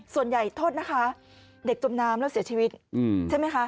โทษนะคะเด็กจมน้ำแล้วเสียชีวิตใช่ไหมคะ